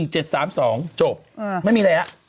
๑๗๓๒จงไม่มีอะไรอ่ะ